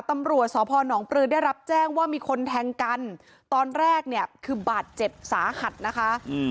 ตำรวจสพนปลือได้รับแจ้งว่ามีคนแทงกันตอนแรกเนี่ยคือบาดเจ็บสาหัสนะคะอืม